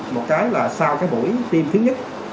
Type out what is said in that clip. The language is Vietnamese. một cái là sau cái buổi tiêm thứ nhất